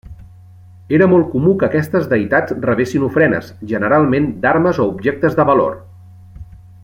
Era molt comú que aquestes deïtats rebessin ofrenes, generalment d'armes o objectes de valor.